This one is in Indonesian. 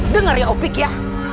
dengar ya opik ya